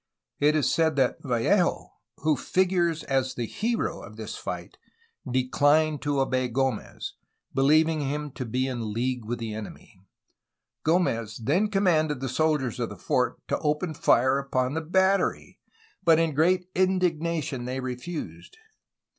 It is said that Vallejo, who figures as the hero of this fight, declined to obey G6mez, beheving him to be in ERA OF THE WARS OF INDEPENDENCE, 1810 1822 445 league with the enemy. G6mez then commanded the soldiers of the fort to open fire upon the battery, but in great indigna tion they refused.